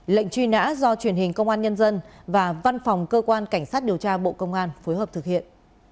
lệnh truy nã do truyền hình công an nhân dân và văn phòng cơ quan cảnh sát điều tra bộ công an phối hợp thực hiện